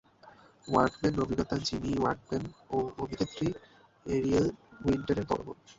Workman অভিনেতা Jimmy Workman ও অভিনেত্রী এরিয়েল উইন্টারের বড় বোন।